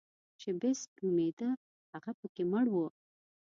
چې بېسټ نومېده هغه پکې مړ و.